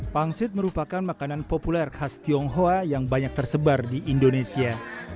pangsit merupakan makanan populer khas tionghoa yang banyak tersebar di indonesia